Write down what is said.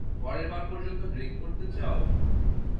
পরেরবার পযন্ত ড্রিংক করতে চাও?